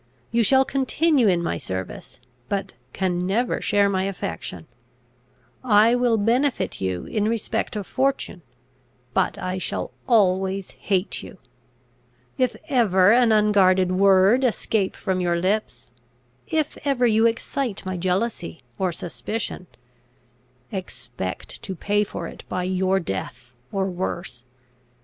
You shall continue in my service, but can never share my affection. I will benefit you in respect of fortune, but I shall always hate you. If ever an unguarded word escape from your lips, if ever you excite my jealousy or suspicion, expect to pay for it by your death or worse.